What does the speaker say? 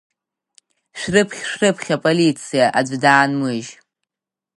Шәрыԥхь, шәрыԥхь аполициа, аӡә даанмыжь!